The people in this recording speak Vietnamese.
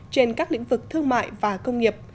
trên các lĩnh vực thương mại và công nghiệp